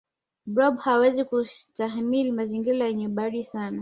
blob hawezi kustahimili mazingira yenye baridi sana